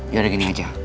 yaudah gini aja